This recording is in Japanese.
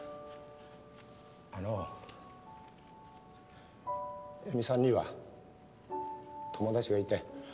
あの江見さんには友達がいて。